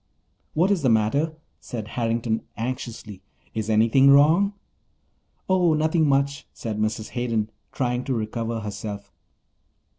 "What is the matter?" said Harrington anxiously. "Is anything wrong?" "Oh, nothing much," Said Mrs. Hayden, trying to recover herself.